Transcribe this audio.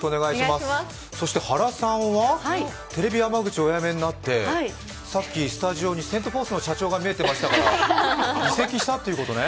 そして原さんはテレビ山口をお辞めになってさっきスタジオにセントフォースの社長が見えていましたが、移籍したということですね？